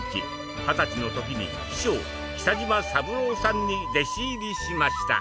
二十歳のときに師匠北島三郎さんに弟子入りしました。